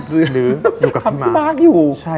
หรืออยู่กับพี่บาทอยู่